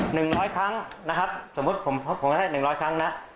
หนึ่งร้อยครั้งนะครับสมมุติผมเพราะผมก็ได้หนึ่งร้อยครั้งนะ